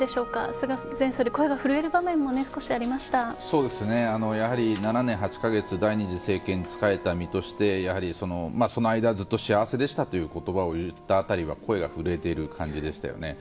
菅前総理、声が震える場面もやはり７年８か月第２次政権に仕えた身としてやはり、その間ずっと幸せでしたという言葉を言った辺りは声が震えている感じでしたね。